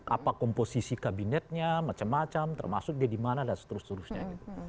apa komposisi kabinetnya macam macam termasuk dia di mana dan seterusnya gitu